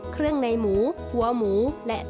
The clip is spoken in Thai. เครื่องในหมูหัวหมูและเต้าหูทอด